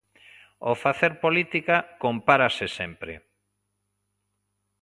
Ao facer política compárase sempre.